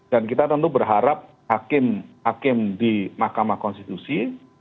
dan kita tentu berharap hakim di mahkamah konstitusi